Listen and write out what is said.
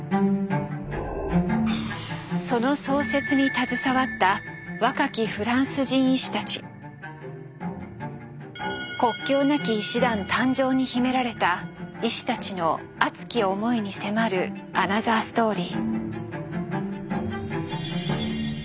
その創設に携わった国境なき医師団誕生に秘められた医師たちの熱き思いに迫るアナザーストーリー。